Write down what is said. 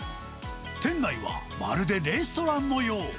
店内は、まるでレストランのよう。